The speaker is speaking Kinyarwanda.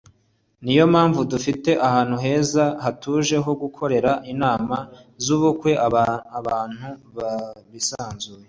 ni yo mpamvu dufite ahantu heza hatuje ho gukorera inama z’ubukwe abantu bisanzuye